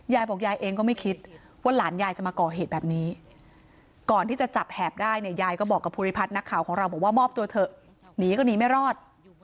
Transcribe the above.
ยายบอกยายเองก็ไม่คิดว่าหลานยายจะมาก่อเหตุแบบนี้ก่อนที่จะจับแหบได้เนี่ยยายก็บอกกับภูริพัฒน์นักข่าวของเราบอกว่ามอบตัวเถอะหนีก็หนีไม่รอด